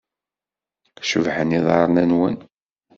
Cebḥen yiḍarren-nwen.